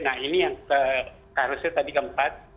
nah ini yang harusnya tadi keempat